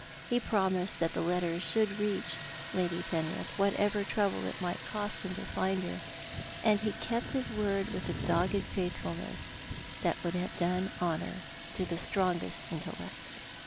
Ho promised that the letter should reach Lady Penrith, whatever trouble it might cost him to find her, and he kept his word with a dogged faithfulness that would have done honour to the strongest intellect.